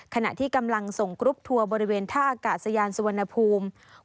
ขณะที่กำลังส่งกรุ๊ปทัวร์บริเวณท่าอากาศยานสุวรรณภูมิ